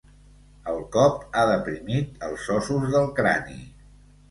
El cop ha deprimit els ossos del crani.